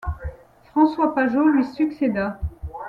François Pajot lui succéda.